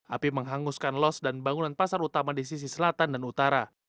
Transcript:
api menghanguskan los dan bangunan pasar utama di sisi selatan dan utara